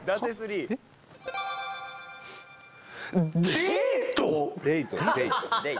「デート！？」